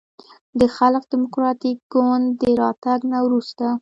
د خلق دیموکراتیک ګوند د راتګ نه وروسته